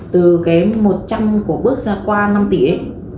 từ cái một trăm linh của bước ra qua năm tỷ ấy